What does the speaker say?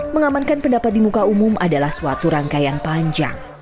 mengamankan pendapat di muka umum adalah suatu rangkaian panjang